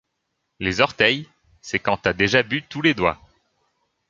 Les orteils, c’est quand t’as déjà bu tous les doigts.